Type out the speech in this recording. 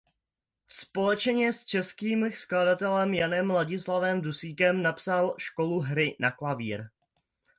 Společně s českým skladatelem Janem Ladislavem Dusíkem napsal "Školu hry na klavír".